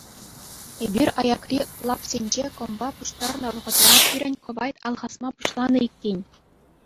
Эпир аякри лапсенче кӑмпа пуҫтарнӑ вӑхӑтра пирӗн кӑвайт алхасма пуҫланӑ иккен.